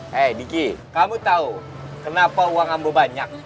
hei diki kamu tahu kenapa uang ambu banyak